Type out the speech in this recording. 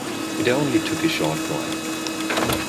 It only took a short while.